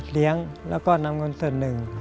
เรียกแล้วก็นำเงินตัวหนึ่ง